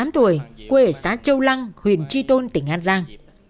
một mươi tám tuổi quê ở xã châu lăng huyện tri tôn tỉnh an giang